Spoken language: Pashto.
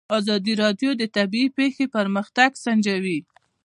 ازادي راډیو د طبیعي پېښې پرمختګ سنجولی.